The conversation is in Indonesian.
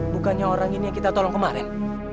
bukannya orang ini yang kita tolong kemarin